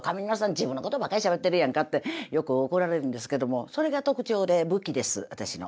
自分のことばっかりしゃべってるやんかってよく怒られるんですけどもそれが特徴で武器です私の。